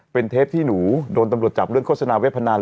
เป็นเทปที่หนูโดนตำรวจจับเรื่องโฆษณาเว็บพนัน